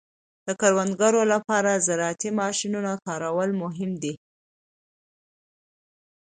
د کروندګرو لپاره د زراعتي ماشینونو کارول مهم دي.